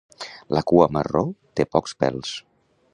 La cua marró té pocs pèls.